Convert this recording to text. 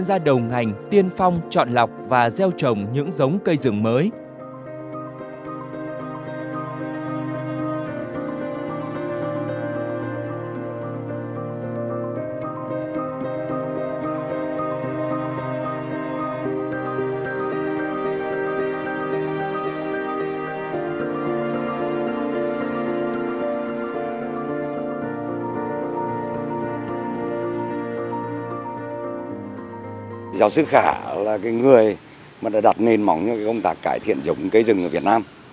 giáo sư khả là người đã đặt nền mỏng những công tác cải thiện giống cây rừng ở việt nam